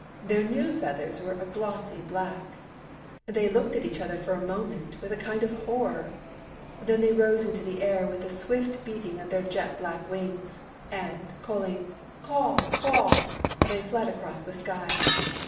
Their new feathers were a glossy black ! They looked at each other for a moment with a kind of horror. Then they rose into the air with a swift beating of their jet black wings, and, calling " Kwah ! Kwah !" they fled across the sky.